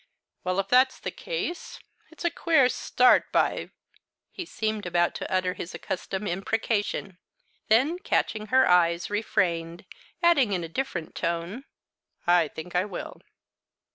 "Well, if that's the case, it's a queer start, by " He seemed about to utter his accustomed imprecation; then, catching her eyes, refrained, adding, in a different tone, "I think I will."